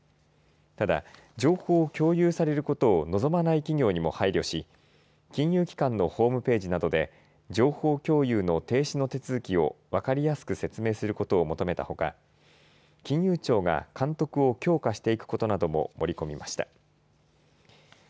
ただ情報を共有されることを望まない企業にも配慮し金融機関のホームページなどで情報共有の停止の手続きを分かりやすく説明することを求めたほか金融庁が監督を強化していくことなども盛り込みました。